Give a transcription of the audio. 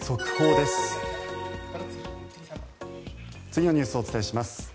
次のニュースをお伝えします。